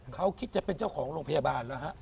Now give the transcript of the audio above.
เขาคิดจะเป็นเจ้าของโรงพยาบาลแล้วฮะ